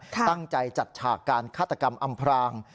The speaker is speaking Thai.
ตั้งใจจัดฉากการฆาตกรรมอำพราง